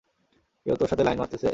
কেউ তোর সাথে লাইন মারতেছে?